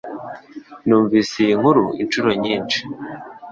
Numvise iyi nkuru inshuro nyinshi